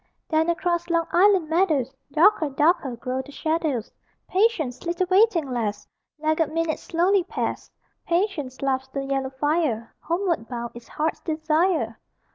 (Then, across Long Island meadows, Darker, darker, grow the shadows: Patience, little waiting lass! Laggard minutes slowly pass; Patience, laughs the yellow fire: Homeward bound is heart's desire!)